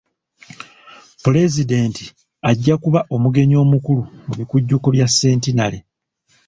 Pulezidenti ajja kuba omugenyi omukulu mu bikujjuko bya centenary.